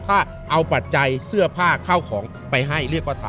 ถ้าเอาปัจจัยเสื้อผ้าเข้าของไปให้เรียกว่าทำ